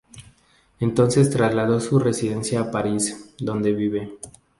Entonces trasladó su residencia a París, donde vive.